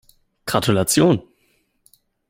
Gratulation!